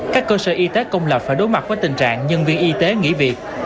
các cơ sở y tế công lập phải đối mặt với tình trạng nhân viên y tế nghỉ việc